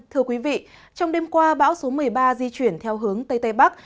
thưa quý vị trong đêm qua bão số một mươi ba di chuyển theo hướng tây tây bắc